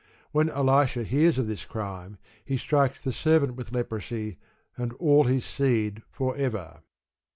When Elisha hears of this crime, he strikes the servant with leprosy, and all his seed for ever.